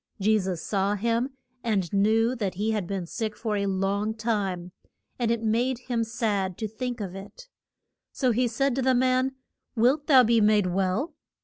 Je sus saw him, and knew that he had been sick for a long time, and it made him sad to think of it. So he said to the man, Wilt thou be made well?